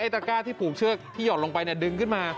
ตะก้าที่ผูกเชือกที่หยอดลงไปดึงขึ้นมา